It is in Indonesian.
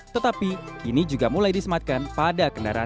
tetapi kini juga mulai disematkan pada kendaraan